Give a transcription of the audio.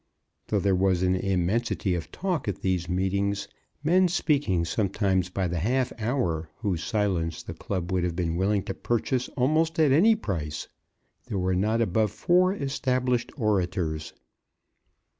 Though there was an immensity of talk at these meetings, men speaking sometimes by the half hour whose silence the club would have been willing to purchase almost at any price, there were not above four established orators.